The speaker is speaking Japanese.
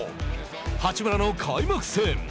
八村の開幕戦。